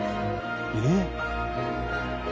えっ？